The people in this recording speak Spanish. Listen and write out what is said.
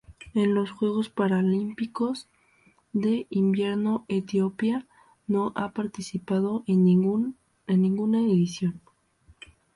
En los Juegos Paralímpicos de Invierno Etiopía no ha participado en ninguna edición.